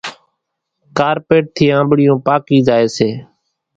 ڪارپيٽ ٿِي آنٻڙِيون پاڪِي زائيَ سي۔